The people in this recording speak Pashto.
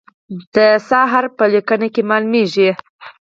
د "ث" حرف په لیکنه کې ښکاري.